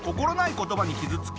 言葉に傷つき